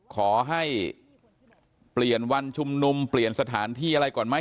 ขอให้เปลี่ยนวันชุมนุมเปลี่ยนสถานที่อะไรก่อนไหม